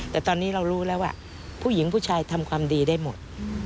แต่ตอนนี้เรารู้แล้วว่าผู้หญิงผู้ชายทำความดีได้หมด